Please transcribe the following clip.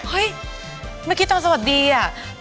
เฮ้ยไม่คิดตอนสวัสดีอะ